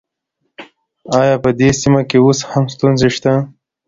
آيا په دې سيمه کې اوس هم ستونزې شته؟